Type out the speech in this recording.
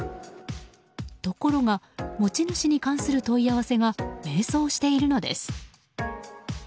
ところが持ち主に関する問い合わせが迷走しているのです。